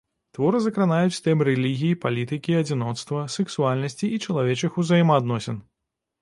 Творы закранаюць тэмы рэлігіі, палітыкі, адзіноцтва, сэксуальнасці і чалавечых узаемаадносін.